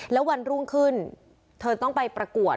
แล้ววันรุ่งขึ้นเธอต้องไปประกวด